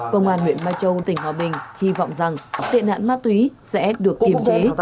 công an nguyễn mai châu tỉnh hòa bình hy vọng rằng tiện nạn ma túy sẽ được kiềm chế